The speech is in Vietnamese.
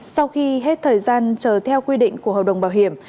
sau khi hết thời gian chờ theo quy định của hợp đồng bảo hiểm